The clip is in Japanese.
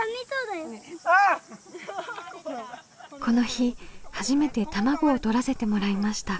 この日初めて卵をとらせてもらいました。